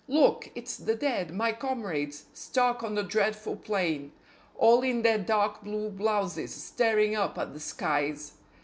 Look! It's the dead, my comrades, stark on the dreadful plain, All in their dark blue blouses, staring up at the skies.